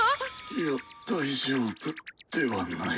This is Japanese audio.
いや大丈夫ではない。